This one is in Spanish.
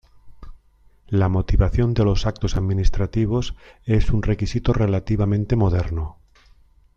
La motivación de los actos administrativos es un requisito relativamente moderno.